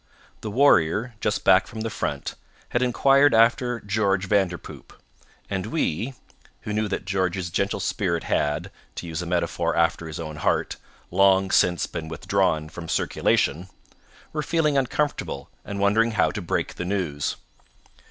The warrior just back from the front had enquired after George Vanderpoop, and we, who knew that George's gentle spirit had, to use a metaphor after his own heart, long since been withdrawn from circulation, were feeling uncomfortable and wondering how to break the news.